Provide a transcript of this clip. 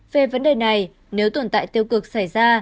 về vấn đề này nếu tồn tại tiêu cực xảy ra